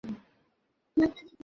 আমরা পথ হারিয়েছি।